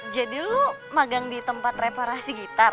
jadi lo magang di tempat reparasi gitar